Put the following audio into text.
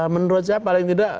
menurut saya paling tidak